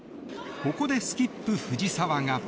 ここでスキップ藤澤が。